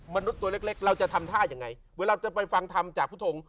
มนุษย์ตัวเล็กเราจะทำท่ายังไงเวลาจะไปฟังธรรมจากพุทธง